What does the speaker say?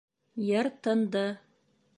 Йыр тынды.